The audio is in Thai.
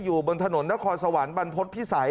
อยู่บนถนนนครสวรรค์บรรพฤษภิษัย